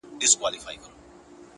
o خر پر لار که، خپله چار که٫